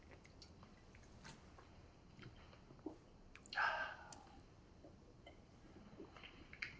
はあ。